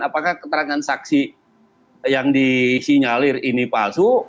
apakah keterangan saksi yang disinyalir ini palsu